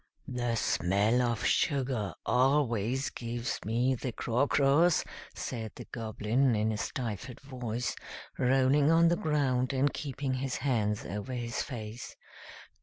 "The smell of sugar always gives me the craw craws," said the Goblin, in a stifled voice, rolling on the ground and keeping his hands over his face.